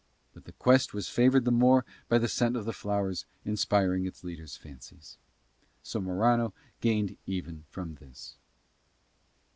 But the quest was favoured the more by the scent of the flowers inspiring its leader's fancies. So Morano gained even from this.